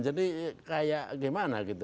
jadi kayak gimana gitu